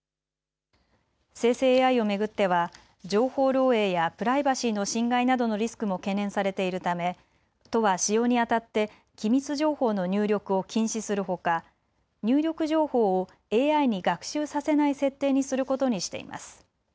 生成ＡＩを巡っては情報漏えいやプライバシーの侵害などのリスクも懸念されているため都は使用にあたって機密情報の入力を禁止するほか入力情報をＡＩに学習させない設定にすることにしています。